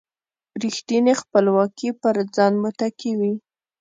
رېښتینې خپلواکي پر ځان متکي وي.